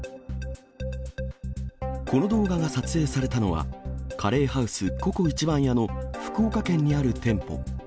この動画が撮影されたのは、カレーハウスＣｏＣｏ壱番屋の福岡県にある店舗。